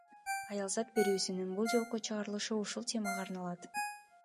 Аялзат берүүсүнүн бул жолку чыгарылышы ушул темага арналат.